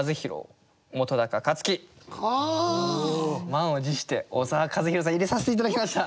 満を持して小沢一敬さん入れさせて頂きました。